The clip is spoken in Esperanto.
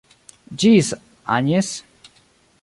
Ĝis, Agnes.